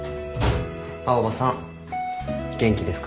青羽さん元気ですか？